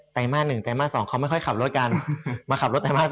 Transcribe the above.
ไตม่า๑ไตม่า๒เขาไม่ค่อยขับรถกันมาขับรถไตม่า๓